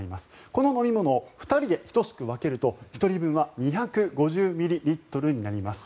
この飲み物を２人で等しく分けると１人分は２５０ミリリットルになります。